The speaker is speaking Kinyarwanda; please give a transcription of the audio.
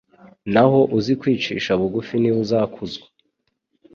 naho uzi kwicisha bugufi ni we uzakuzwa